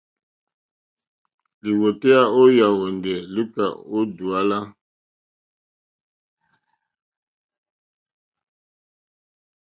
Lìwòtéyá ó yàwùndè lùúkà ó dùálá.